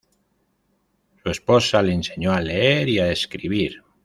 Su esposa le enseñó a leer y a escribir.